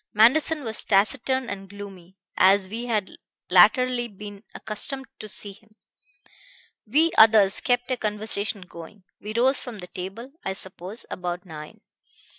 Manderson was taciturn and gloomy, as we had latterly been accustomed to see him. We others kept a conversation going. We rose from the table, I suppose, about nine.